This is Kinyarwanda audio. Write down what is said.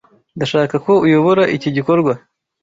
Ndashaka ko uyobora iki gikorwa.